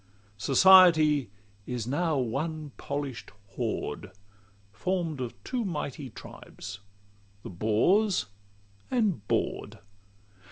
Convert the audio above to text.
Society is now one polish'd horde, Form'd of two mighty tribes, the Bores and Bored.